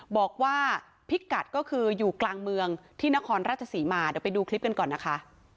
บอกว่าพิกัดก็คืออยู่กลางเมืองที่นครราชศรีมาเดี๋ยวไปดูคลิปกันก่อนนะคะ